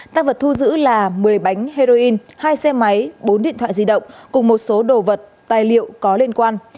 tăng vật thu giữ là một mươi bánh heroin hai xe máy bốn điện thoại di động cùng một số đồ vật tài liệu có liên quan